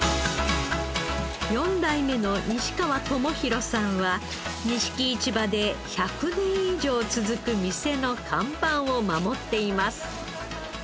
４代目の西川朋宏さんは錦市場で１００年以上続く店の看板を守っています。